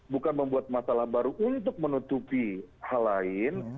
bukan membuat masalah baru untuk menutupi hal lain